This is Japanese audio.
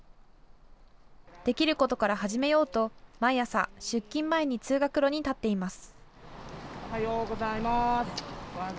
できることから始めようと毎朝、出勤前に通学路に立っています。